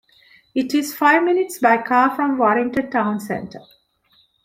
It is five minutes by car from Warrington town centre.